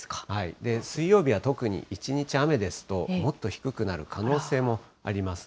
水曜日は特に一日雨ですと、もっと低くなる可能性もあります。